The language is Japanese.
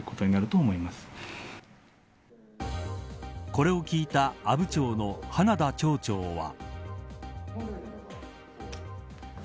これを聞いた阿武町の花田町長は。